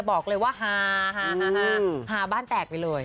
ก็ฮาฮาฮาฮาฮาบ้านแตกไปเลย